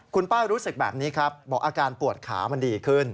คุณป้ารู้สึกแบบนี้ครับบอกอาการปวดขามันดีขึ้น